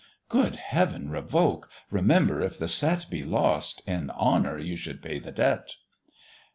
"Good heav'n, revoke: remember, if the set Be lost, in honour you should pay the debt."